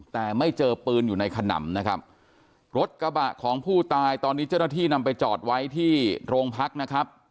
แต่ไม่เจอปืนอยู่ในขนำนะครับรถกระบะของผู้ตายตอนนี้เจ้าหน้าที่นำไปจอดไว้ที่โรงพักนะครับ